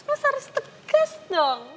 mas harus tegas dong